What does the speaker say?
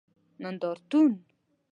نندارتون